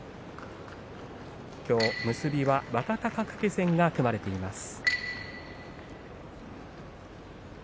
きょう結びは阿炎戦が組まれています。